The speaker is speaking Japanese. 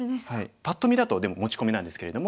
パッと見だとでも持ち込みなんですけれども。